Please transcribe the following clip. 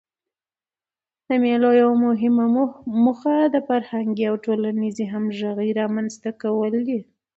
د مېلو یوه مهمه موخه د فرهنګي او ټولنیزي همږغۍ رامنځ ته کول دي.